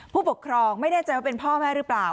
ผู้ปกครองไม่แน่ใจว่าเป็นพ่อแม่หรือเปล่า